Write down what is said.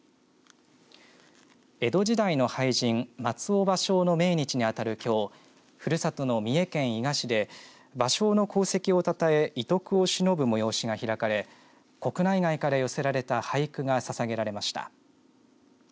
江戸時代の俳人松尾芭蕉の命日にあたる、きょうふるさとの三重県伊賀市で芭蕉の功績をたたえ遺徳をしのぶ催しが開かれ国内外から寄せられた俳句がささげられました。